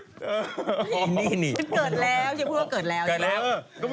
ฉันเกิดแล้ว